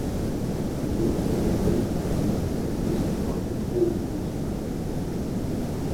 Minute in derselben Partie sein erstes Tor im Profifußball.